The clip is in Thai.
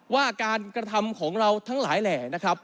ว่าการกระทำของเราทั้งหลายแหล่นะครับ